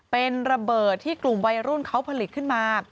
เป็นระเบิดที่กลุ่มวัยรุ่นเขาผลิตขึ้นมา